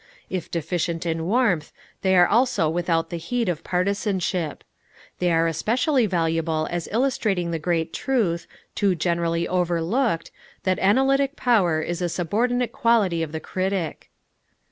If deficient in warmth, they are also without the heat of partisanship. They are especially valuable as illustrating the great truth, too generally overlooked, that analytic power is a subordinate quality of the critic.